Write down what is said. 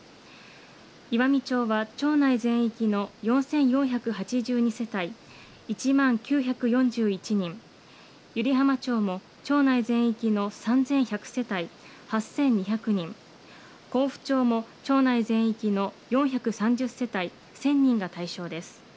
岩美町は、町内全域の４４８２世帯１万９４１人、湯梨浜町も、町内全域の３１００世帯８２００人、江府町も町内全域の４３０世帯１０００人が対象です。